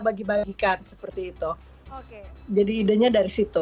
bagi bagikan seperti itu oke jadi idenya dari situ